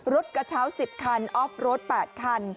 รถกระเช้า๑๐คันออฟรถ๘คัน